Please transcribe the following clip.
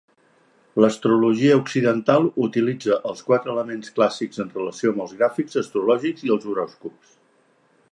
L'astrologia occidental utilitza els quatre elements clàssics en relació amb els gràfics astrològics i els horòscops.